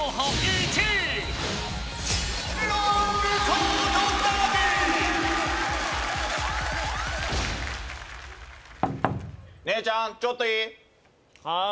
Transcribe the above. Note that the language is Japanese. １位姉ちゃんちょっといい？